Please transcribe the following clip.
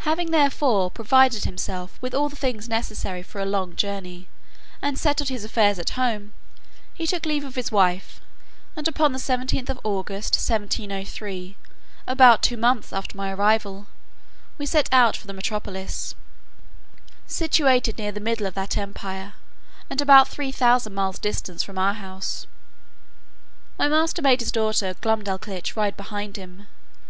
Having therefore provided himself with all things necessary for a long journey, and settled his affairs at home, he took leave of his wife, and upon the 17th of August, 1703, about two months after my arrival, we set out for the metropolis, situated near the middle of that empire, and about three thousand miles distance from our house. My master made his daughter Glumdalclitch ride behind him.